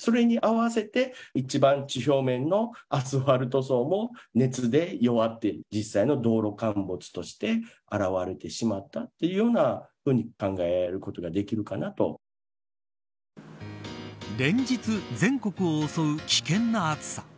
それに合わせて一番地表面のアスファルト層も熱で弱って実際の道路陥没として現れてしまったというようなふうに連日、全国を襲う危険な暑さ。